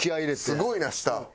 すごいな下。